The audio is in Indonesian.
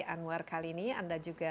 anwar kali ini anda juga